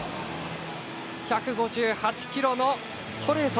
１５８キロのストレート。